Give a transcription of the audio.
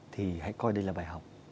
thì hãy coi đây là bài học